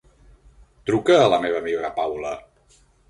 Truca a la meva amiga Paula.